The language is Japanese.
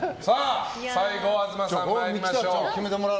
最後、東さん参りましょう。